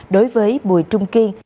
đối với bùi trung kiên